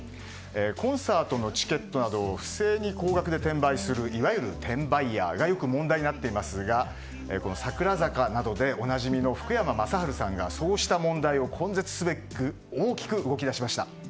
コンサートのチケットなどを不正に高額に転売するいわゆる転売ヤーがよく問題になっていますが「桜坂」などでおなじみの福山雅治さんがそうした問題を根絶すべく大きく動き出しました。